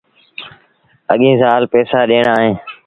اَڳيٚن سآل پئيٚسآ ڏيڻآ اهيݩ۔